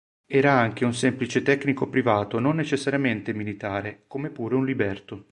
Era anche un semplice tecnico privato, non necessariamente militare, come pure un liberto.